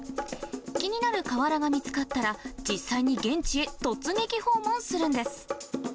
気になる瓦が見つかったら、実際に現地へ突撃訪問するんです。